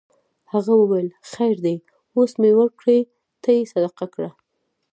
هغه وویل خیر دی اوس مې ورکړې ته یې صدقه کړه.